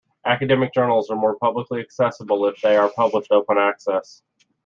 Academic journals are more publicly accessible if they are published open access.